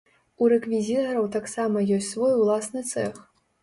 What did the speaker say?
У рэквізітараў таксама ёсць свой уласны цэх.